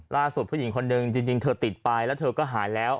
ผู้หญิงคนนึงจริงเธอติดไปแล้วเธอก็หายแล้ว